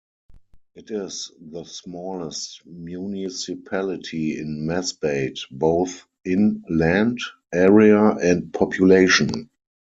It is the smallest municipality in Masbate, both in land area and population.